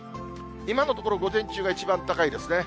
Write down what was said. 今のところ、午前中が一番高いですね。